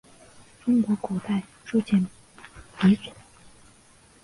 中国古代铸剑鼻祖。